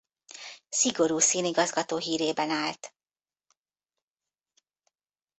Szigorú színigazgató hírében állt.